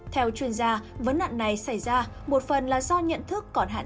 theo chuyên gia vấn đạn này xảy ra một phần là do nhận thức còn hàng